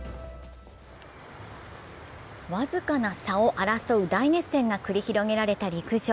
僅かな差を争う大熱戦が繰り広げられた陸上。